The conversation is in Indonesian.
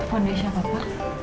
telepon desha papa